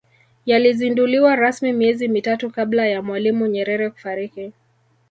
yalizinduliwa rasmi miezi mitatu kabla ya mwalimu nyerere kufariki